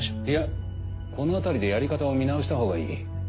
いやこのあたりでやり方を見直したほうがいい。